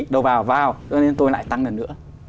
đầu vào vào cho nên tôi lại tăng lần nữa